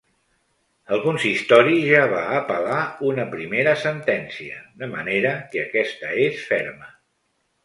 El consistori ja va apel·lar una primera sentència, de manera que aquesta és ferma.